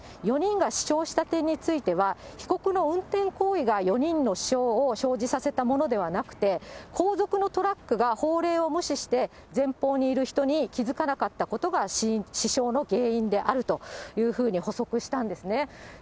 ４人が死傷した点については、被告の運転行為が４人の死傷を生じさせたものではなくて、後続のトラックが法令を無視して、前方にいる人に気付かなかったことが死傷の原因であるというふうに補足したんですね。